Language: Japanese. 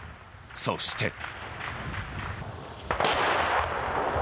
そして。